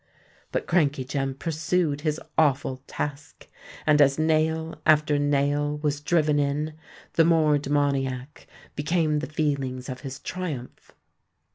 But Crankey Jem pursued his awful task; and as nail after nail was driven in, the more demoniac became the feelings of his triumph.